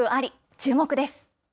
注目です。